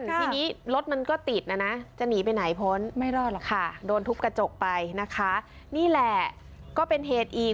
ทีนี้รถมันก็ติดนะนะจะหนีไปไหนพ้นไม่รอดหรอกค่ะโดนทุบกระจกไปนะคะนี่แหละก็เป็นเหตุอีก